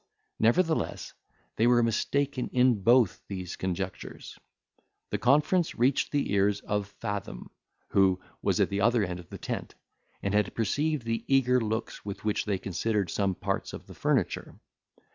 Nevertheless, they were mistaken in both these conjectures. The conference reached the ears of Fathom, who was at the other end of the tent, and had perceived the eager looks with which they considered some parts of the furniture.